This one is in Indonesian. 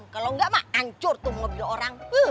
kalau enggak mak ancur tuh mobil orang